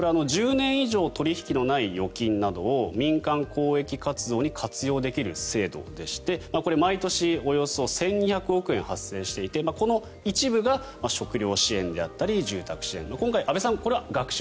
１０年以上取引のないような休眠預金などを民間公益活動に活用できる制度でしてこれ毎年およそ１２００億円発生していてこの一部が食料支援であったり住宅支援。